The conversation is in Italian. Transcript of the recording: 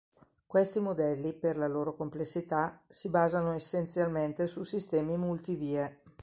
Questi modelli, per la loro complessità, si basano essenzialmente su sistemi multi vie.